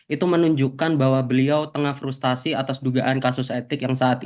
itu menunjukkan bahwa beliau tengah frustasi atas dugaan kasus etik yang saat ini